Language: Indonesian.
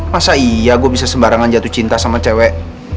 masa iya gue bisa sembarangan jatuh cinta sama cewek